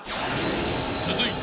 ［続いて］